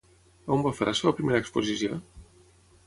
On va fer la seva primera exposició?